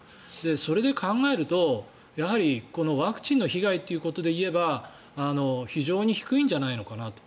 それで考えるとやはりワクチンの被害ということで言えば非常に低いんじゃないのかなと。